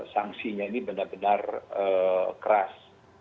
sanksinya ini benar benar keras